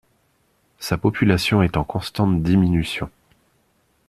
Sa population est en constante diminution.